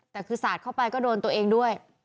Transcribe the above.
แต่คือสาดเข้าไปก็โดนตัวเองด้วย